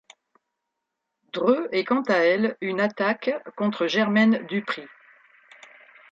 Dre est quant à elle une attaque contre Jermaine Dupri.